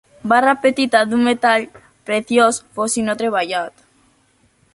Barra petita d'un metall preciós fos i no treballat.